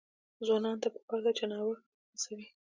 ځوانانو ته پکار ده چې، نوښت هڅوي.